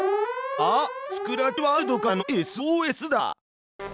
あっスクラッチワールドからのＳＯＳだ！